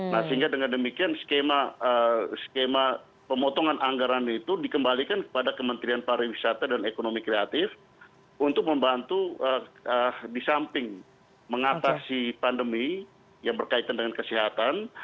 nah sehingga dengan demikian skema pemotongan anggaran itu dikembalikan kepada kementerian pariwisata dan ekonomi kreatif untuk membantu di samping mengatasi pandemi yang berkaitan dengan kesehatan